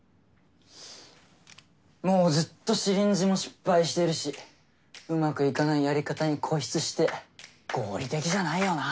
もうずっとシリンジも失敗してるしうまくいかないやり方に固執して合理的じゃないよな。